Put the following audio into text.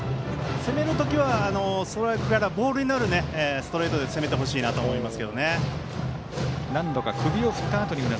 攻めるときはストライクからボールになるストレートで攻めてほしいなと思います。